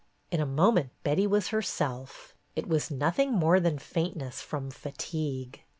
In a moment Betty was herself. It was nothing more than faintness from fatigue.